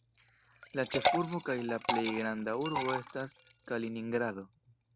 La ĉefurbo kaj la plej granda urbo estas Kaliningrado.